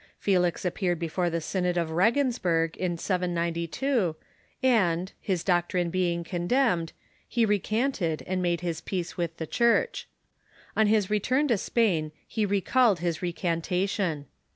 Felix appeared before the Synod of Regensburg in 792, and, his doctrine being condemned, he re canted and made iiis peace with the Church. On his return to Spain he recalled his recantation.